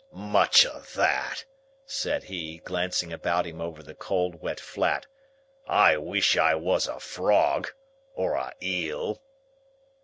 "Much of that!" said he, glancing about him over the cold wet flat. "I wish I was a frog. Or a eel!"